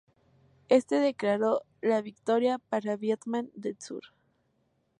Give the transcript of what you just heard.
Este declaró la victoria para Vietnam del Sur.